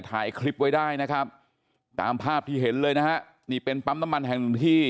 ถ่ายคลิปไว้ได้นะครับตามภาพที่เห็นเลยนะฮะนี่เป็นปั๊มน้ำมันแห่งหนึ่งที่